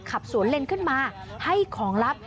ขับสวนเลนขึ้นมาให้ของลับ